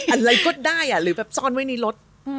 อะไรก็ได้หรือแบบซ่อนไว้ในรถ